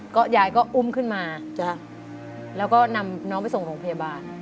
ก็ยายก็อุ้มขึ้นมาแล้วก็นำน้องไปส่งโรงพยาบาล